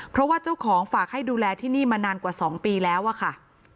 เพราะว่าเจ้าของฝากให้ดูแลที่นี่มานานกว่า๒ปีแล้วอะค่ะ